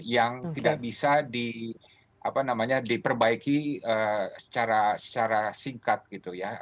yang tidak bisa diperbaiki secara singkat gitu ya